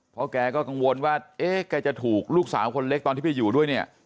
เพราะแกก็กังวลว่าเอ๊ะแกจะถูกลูกสาวคนเล็กตอนที่ไปอยู่ด้วยเนี่ย